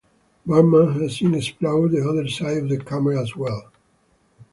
Barman has since explored the other side of the camera as well.